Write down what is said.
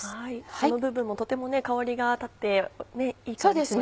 葉の部分もとても香りが立っていい感じしますよね。